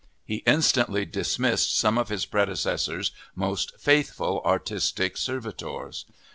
He instantly dismissed some of his predecessor's most faithful artistic servitors.